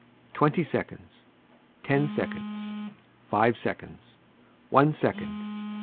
Twenty seconds, ten seconds, five seconds, one second.